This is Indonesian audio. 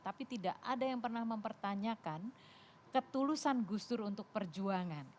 tapi tidak ada yang pernah mempertanyakan ketulusan gus dur untuk perjuangan